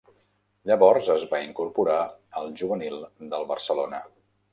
Llavors es va incorporar al juvenil del Barcelona.